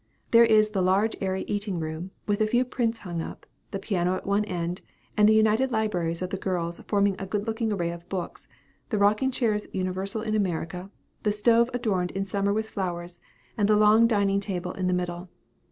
There is the large airy eating room, with a few prints hung up, the piano at one end, and the united libraries of the girls, forming a good looking array of books, the rocking chairs universal in America, the stove adorned in summer with flowers, and the long dining table in the middle.